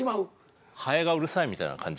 ハエがうるさいみたいな感じですもんね。